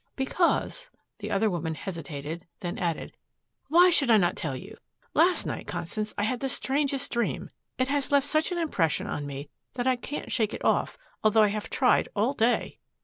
"Because " the other woman hesitated, then added, "why should I not tell you! Last night, Constance, I had the strangest dream. It has left such an impression on me that I can't shake it off, although I have tried all day."